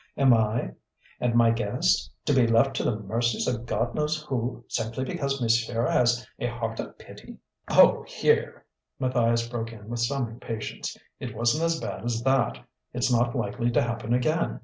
Am I, and my guests, to be left to the mercies of God knows who, simply because monsieur has a heart of pity?" "Oh, here!" Matthias broke in with some impatience. "It wasn't as bad as that. It's not likely to happen again